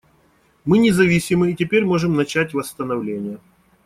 Мы независимы и теперь можем начать восстановление.